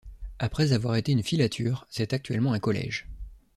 Après avoir été une filature, c'est actuellement un collège.